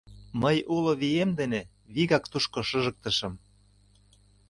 Мый уло вием дене вигак тушко шыжыктышым.